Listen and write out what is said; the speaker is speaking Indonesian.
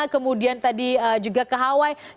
kemudian tadi juga ke hawaii